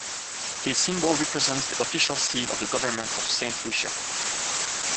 This symbol represents the official seal of the Government of Saint Lucia.